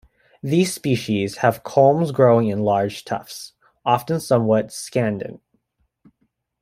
These species have culms growing in large tufts, often somewhat scandent.